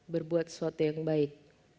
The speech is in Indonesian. berbuat sesuatu yang baik